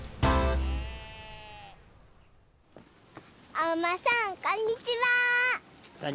おうまさんこんにちは。